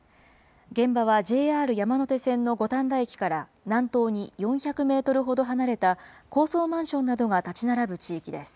現場はＪＲ山手線の五反田駅から南東に４００メートルほど離れた、高層マンションなどが建ち並ぶ地域です。